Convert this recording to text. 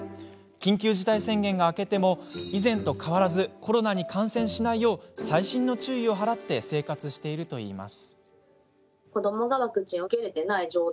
緊急事態宣言が明けても以前と変わらず、コロナに感染しないよう細心の注意を払い生活しているといいます。